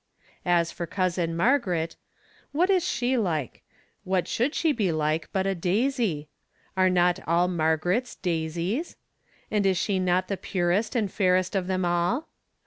As for Cousin Margaret: What is she like? What should she be like, but a daisy ? Are not all Margarets daisies? And is she not the purest and fairest of them all